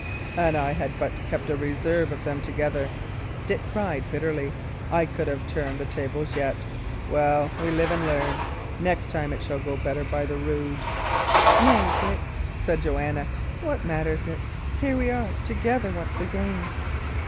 "An I had but kept a reserve of them together," Dick cried, bitterly, "I could have turned the tables yet! Well, we live and learn; next time it shall go better, by the rood." "Nay, Dick," said Joanna, "what matters it? Here we are together once again."